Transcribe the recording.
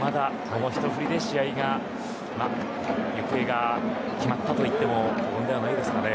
この一振りで試合が行方が決まったと言っても過言ではないですかね。